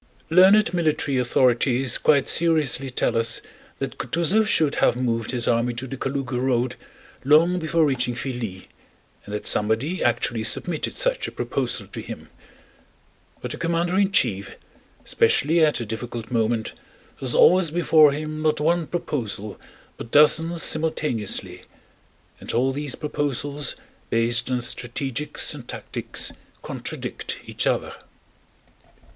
Learned military authorities quite seriously tell us that Kutúzov should have moved his army to the Kalúga road long before reaching Filí, and that somebody actually submitted such a proposal to him. But a commander in chief, especially at a difficult moment, has always before him not one proposal but dozens simultaneously. And all these proposals, based on strategics and tactics, contradict each other.